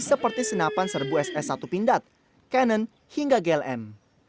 seperti senapan serbu ss satu pindad canon hingga glm